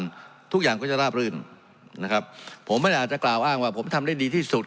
ทุกอย่างก็จะราบรื่นนะครับผมไม่ได้อาจจะกล่าวอ้างว่าผมทำได้ดีที่สุด